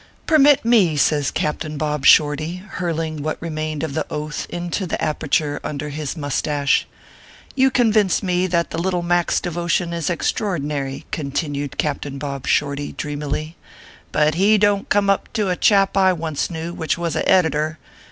"Permit me" says Captain Bob Shorty, hurling what remained of the Oath into the aperture under his moustache. " You convince me that Little Mac s devotion is extraordinary/ continued Captain Bob Shorty, dreamily ;" but he don t come up to a chap I once knew, which was a editor.